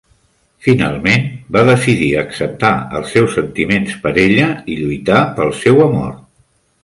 Finalment va decidir acceptar els seus sentiments per ella i lluitar pel seu amor.